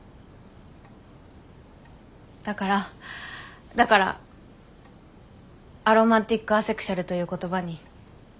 だからだからアロマンティック・アセクシュアルという言葉に。